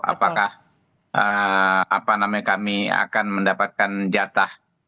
apakah apa namanya kami akan mendapatkan jatah